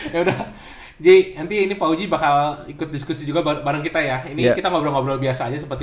jadi ente ini pak uji bakal di diskusi juga bareng kita ya ini kita ngobrol ngobrol biasanya seperti